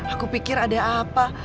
aku pikir ada apa